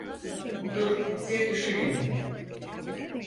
Dur bir düşüneyim.